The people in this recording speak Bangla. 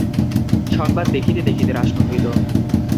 সংবাদ দেখিতে দেখিতে রাষ্ট্র হইল।